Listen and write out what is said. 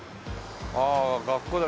ああ学校だ。